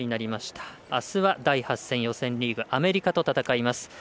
あすは、第８戦、予選リーグアメリカと戦います。